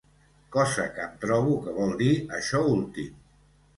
Cosa que em trobo que vol dir això últim.